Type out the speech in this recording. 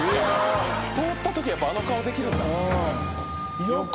「通ったときあの顔できるんだ」